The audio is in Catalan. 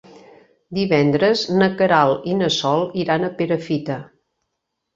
Divendres na Queralt i na Sol iran a Perafita.